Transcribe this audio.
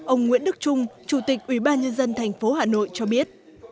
ông nguyễn đức trung chủ tịch ủy ban nhân dân thành phố hà nội cho biết